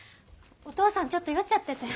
お父さんちょっと酔っちゃってて。